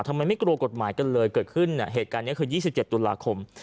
ไม่กลัวกฎหมายกันเลยเกิดขึ้นเหตุการณ์นี้คือ๒๗ตุลาคม